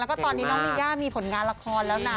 แล้วก็ตอนนี้น้องมีย่ามีผลงานละครแล้วนะ